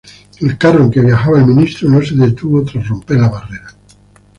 El carro en que viajaba el ministro no se detuvo tras romper la barrera.